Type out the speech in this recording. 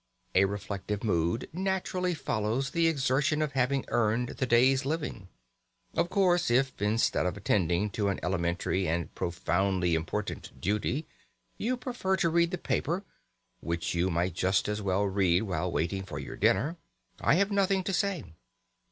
A reflective mood naturally follows the exertion of having earned the day's living. Of course if, instead of attending to an elementary and profoundly important duty, you prefer to read the paper (which you might just as well read while waiting for your dinner) I have nothing to say.